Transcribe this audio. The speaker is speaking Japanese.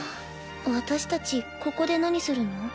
私たちここで何するの？